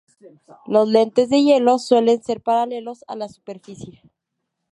Los lentes de hielo suelen ser paralelos a la superficie.